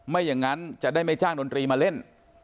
ไม่อย่างนั้นจะได้ไม่จ้างดนตรีมาเล่น